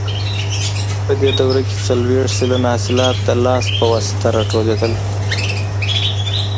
په دې دوره کې څلوېښت سلنه حاصلات د لاس په واسطه راټولېدل.